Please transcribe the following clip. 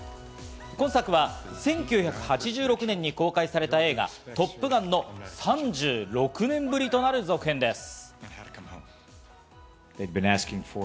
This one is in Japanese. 今作は１９８６年に公開された映画『トップガン』の３６年ぶりとなる続編です。